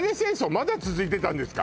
まだ続いてたんですか？